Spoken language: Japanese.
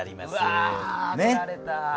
うわ取られた。